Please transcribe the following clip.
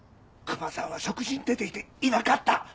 熊さんは食事に出ていていなかった！